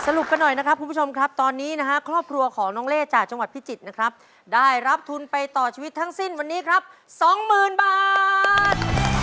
กันหน่อยนะครับคุณผู้ชมครับตอนนี้นะฮะครอบครัวของน้องเล่จากจังหวัดพิจิตรนะครับได้รับทุนไปต่อชีวิตทั้งสิ้นวันนี้ครับสองหมื่นบาท